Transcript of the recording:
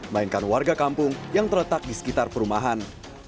melainkan warga kampung yang terletak di sekitar perumahan